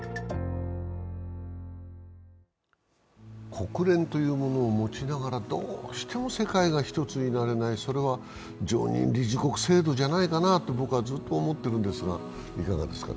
国連というものを持ちながらどうしても世界が一つになれない、それは、常任理事国制度じゃないかなと僕はずっと思ってるんですが。